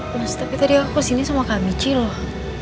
mas tapi tadi aku kesini sama kak michi loh